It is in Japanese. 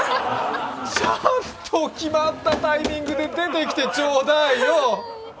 ちゃんと決まったタイミングで出てきてちょうだいよ！